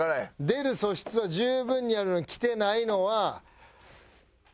出る素質は十分にあるのにきてないのは。